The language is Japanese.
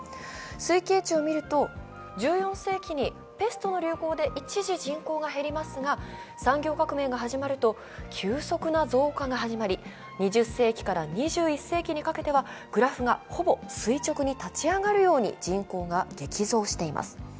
推計値を見ると、１４世紀にペストの流行で一時、人口が減りますが産業革命が始まると、急速な増加が始まり２０世紀から２１世紀にかけてはグラフがほぼ垂直に立ち上がるように人口が激増しています。